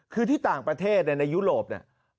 คือที่ต่างประเทศในยุโรปเนี่ย